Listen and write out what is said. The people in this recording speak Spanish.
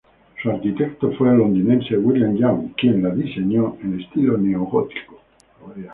Su arquitecto fue el londinense William Young, quien la diseñó en estilo neogótico.